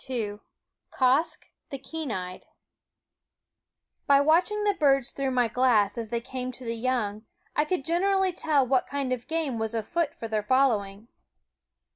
Quoskh Keen Eyed W SCHOOL OF By watching the birds through my glass as they came to the young, I could generally tell what kind of game was afoot for their following.